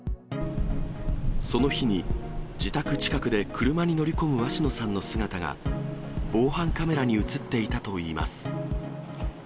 その日に、自宅近くで車に乗り込む鷲野さんの姿が、防犯カメラに写っていたといいます。